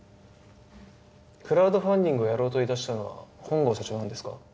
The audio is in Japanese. クラウドファンディングをやろうと言い出したのは本郷社長なんですか？